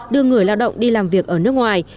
đưa người lao động đi làm việc ở nước ngoài